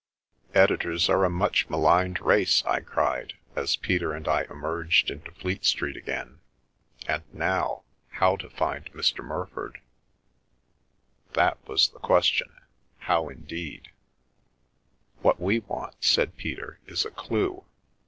" Editors are a much maligned race," I cried, as Peter and I emerged into Fleet Street again. " And now — how to find Mr. Murford !" That was the question. How, indeed! " What we want," said Peter, " is a clue.